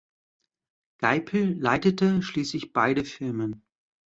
Geipel leitete schließlich beide Firmen.